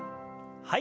はい。